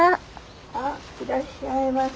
あいらっしゃいませ。